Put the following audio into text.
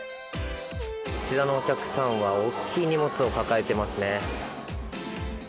あちらのお客さんは大きい荷物を抱えてますね。